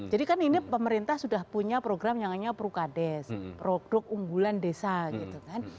jadi kan ini pemerintah sudah punya program yang namanya prukades produk unggulan desa gitu kan